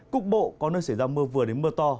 cục bộ có nơi xảy ra mưa vừa đến mưa to